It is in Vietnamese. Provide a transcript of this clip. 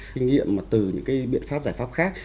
kinh nghiệm mà từ những cái biện pháp giải pháp khác